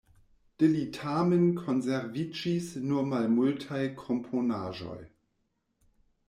De li tamen konserviĝis nur malmultaj komponaĵoj.